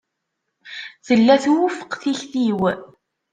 Tella twufeq tikti-w.